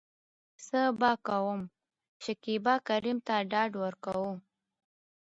څه به کوم.شکيبا کريم ته ډاډ ورکو .